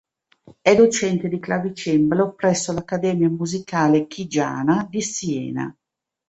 È docente di clavicembalo presso l'Accademia Musicale Chigiana di Siena